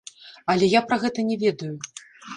Але я пра гэта не ведаю!